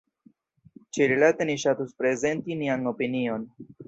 Ĉi-rilate ni ŝatus prezenti nian opinion.